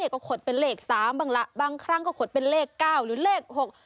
ก็ขดเป็นเลขสามบ้างล่ะบางครั้งก็ขดเป็นเลขเก้าหรือเลขหก